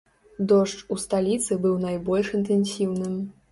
Дождж у сталіцы быў найбольш інтэнсіўным.